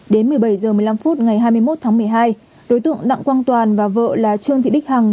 đến một mươi bảy h một mươi năm phút ngày hai mươi một tháng một mươi hai đối tượng đặng quang toàn và vợ là trương thị bích hằng